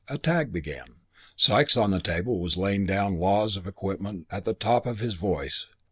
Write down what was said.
A tag began. Sikes on the table was laying down laws of equipment at the top of his voice.